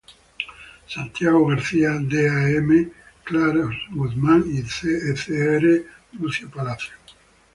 Santiago-García, D., A. M. Claros-Guzmán y C. R. Lucio-Palacio.